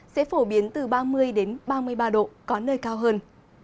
sẽ phổ biến từ ba mươi ba mươi ba độ có nơi cao hơn